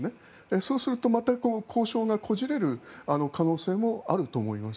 そうするとまた交渉がこじれる可能性もあると思います。